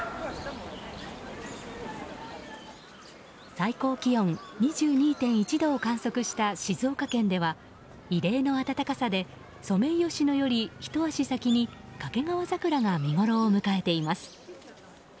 最高気温２２．１度を観測した静岡県では異例の暖かさでソメイヨシノよりひと足先にカケガワザクラが見ごろを迎えています。